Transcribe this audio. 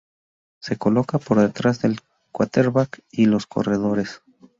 Se coloca por detrás del quarterback y los corredores.